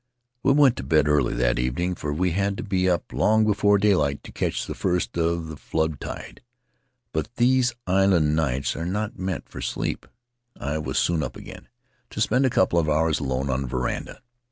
We went to bed early that evening, for we had to be up long before daylight to catch the first of the flood tide, but these island nights are not meant for sleep — I was soon up again, to spend a couple of hours alone on the veranda.